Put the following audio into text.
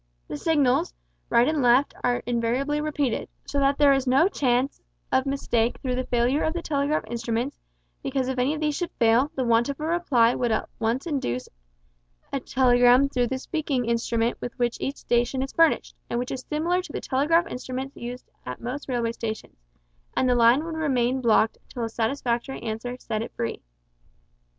The signals, right and left are invariably repeated, so that there is no chance of mistake though the failure of the telegraph instruments, because if any of these should fail, the want of a reply would at once induce a telegram through the "speaking" instrument with which each station is furnished, and which is similar to the telegraph instruments used at most railway stations, and the line would remain "blocked" until a satisfactory answer set it free.